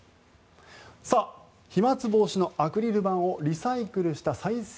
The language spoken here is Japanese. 飛まつ防止のアクリル板をリサイクルした再生